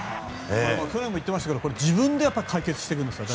去年も言っていましたが自分で解決していくんですか？